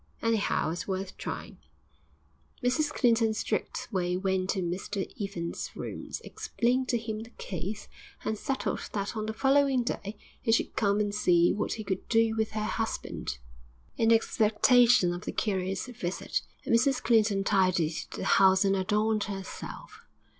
Anyhow, it's worth trying.' Mrs Clinton straightway went to Mr Evans's rooms, explained to him the case, and settled that on the following day he should come and see what he could do with her husband. X In expectation of the curate's visit, Mrs Clinton tidied the house and adorned herself.